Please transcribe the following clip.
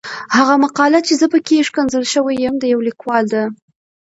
هغه مقاله چې زه پکې ښکنځل شوی یم د يو ليکوال ده.